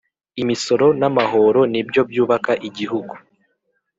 imisoro namahoro nibyo byubaka igihugu